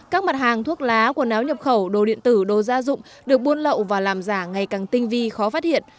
các mặt hàng thuốc lá quần áo nhập khẩu đồ điện tử đồ gia dụng được buôn lậu và làm giả ngày càng tinh vi khó phát hiện